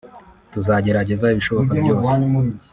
tuzagerageza ibishoboka byose